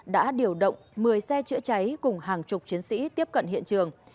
đã điều động một mươi xe chữa cháy cùng hàng chục chiến sĩ tiếp cận hiện trường